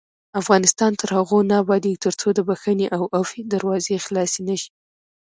افغانستان تر هغو نه ابادیږي، ترڅو د بښنې او عفوې دروازه خلاصه نشي.